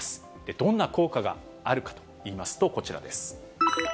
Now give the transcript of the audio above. どんな効果があるかといいますと、こちらです。